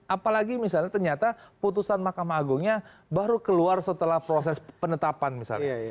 apalagi misalnya ternyata putusan mahkamah agungnya baru keluar setelah proses penetapan misalnya